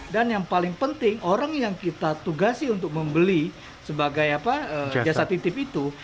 dan yang paling penting orang yang kita tugasi untuk membeli sebagai jasa titip itu